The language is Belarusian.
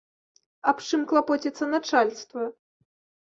Аб чым клапоціцца начальства?